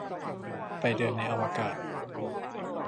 ไปเดินในอวกาศ